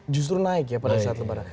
justru naik ya pada saat lebaran